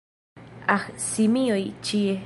Ah simioj ĉie